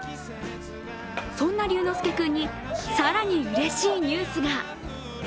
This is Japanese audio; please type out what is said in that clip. そんな龍之介君に更にうれしいニュースが！